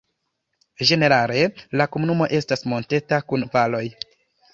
Ĝenerale la komunumo estas monteta kun valoj.